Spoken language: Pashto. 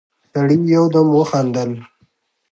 سړي يودم وخندل: